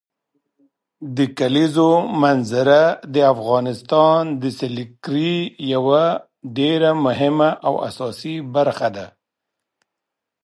د کلیزو منظره د افغانستان د سیلګرۍ یوه ډېره مهمه او اساسي برخه ده.